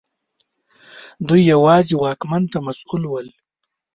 دوی یوازې واکمن ته مسوول ول.